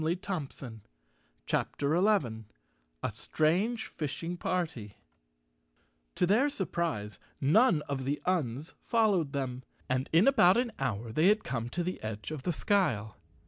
143 CHAPTER 11 A Strange Fishing Party T O their surprise, none of the Uns followed them, and in about an hour they had come to the edge of the skyle.